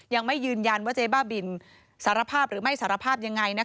ยังไม่ยืนยันว่าเจ๊บ้าบินสารภาพหรือไม่สารภาพยังไง